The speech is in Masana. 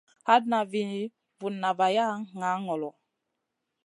Hatna vi vunna vaya ŋaa ŋolo.